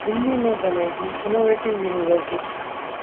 दिल्ली में बनेगी innovative university